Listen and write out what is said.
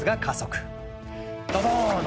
ドドーン！